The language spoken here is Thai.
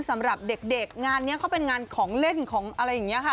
สำหรับเด็กงานนี้เขาเป็นงานของเล่นของอะไรอย่างนี้ค่ะ